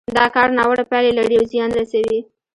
دا کار ناوړه پايلې لري او زيان رسوي.